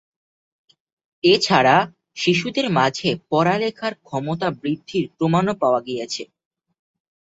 এছাড়া শিশুদের মাঝে পড়ালেখার ক্ষমতা বৃদ্ধির প্রমাণও পাওয়া গেছে।